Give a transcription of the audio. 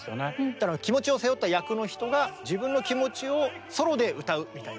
だから気持ちを背負った役の人が自分の気持ちをソロで歌うみたいな。